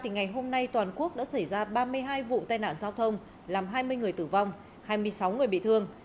ngay toàn quốc đã xảy ra ba mươi hai vụ tai nạn giao thông làm hai mươi người tử vong hai mươi sáu người bị thương